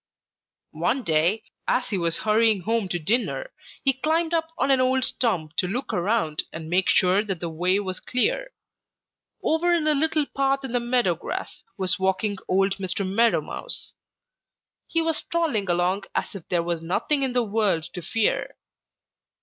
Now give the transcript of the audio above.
"One day as he was hurrying home to dinner, he climbed up on an old stump to look around and make sure that the way was clear. Over in a little path in the meadow grass was walking old Mr. Meadow Mouse. He was strolling along as if there was nothing in the world to fear.